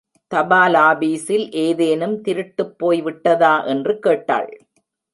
தபாலாபீஸில் ஏதேனும் திருட்டுப் போய் விட்டதா என்று கேட்டாள்.